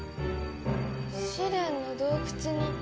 試練の洞窟に。